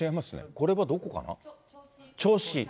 これはどこかな。